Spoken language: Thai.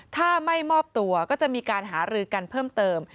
ถ้าไม่มอบตัวก็จะมีการหารือกันเพิ่มเติม